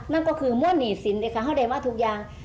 นั่นก็คือมวลนิศิษฐ์เลยค่ะเห้าได้ว่าทุกอย่าง